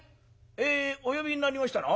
えお呼びになりましたのは？」。